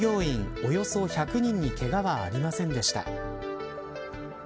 およそ１００人にけがはありませんでした。